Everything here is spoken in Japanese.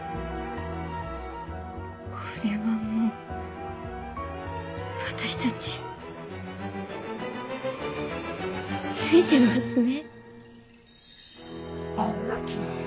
これはもう私たちついてますね。